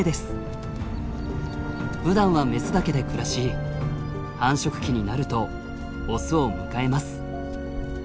ふだんはメスだけで暮らし繁殖期になるとオスを迎えます。